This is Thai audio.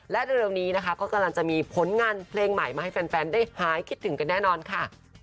และเร็วนี้นะคะก็กำลังจะมีผลงานเพลงใหม่มาให้แฟนได้หายคิดถึงกันแน่นอนค่ะ